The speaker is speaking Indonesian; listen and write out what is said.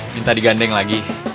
minta digandeng lagi